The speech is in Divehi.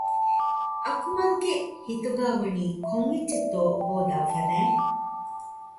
އަކުމަލްގެ ހިތުގައިވަނީ ކޮންއެއްޗެއްތޯ ހޯދާ ފަދައިން